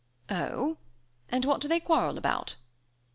"Oh! and what do they quarrel about?"